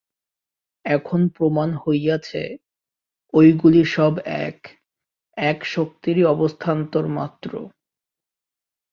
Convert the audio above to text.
এখন প্রমাণ হইয়াছে, ঐগুলি সব এক, এক শক্তিরই অবস্থান্তর মাত্র।